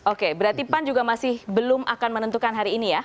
oke berarti pan juga masih belum akan menentukan hari ini ya